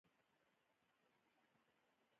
سرحدونه د افغانستان یوه طبیعي ځانګړتیا ده.